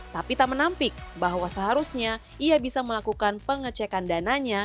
tapi tak menampik bahwa seharusnya ia bisa melakukan pengecekan dananya